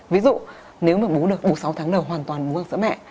ví dụ nếu mà bố được sáu tháng đầu hoàn toàn bố ăn sữa mẹ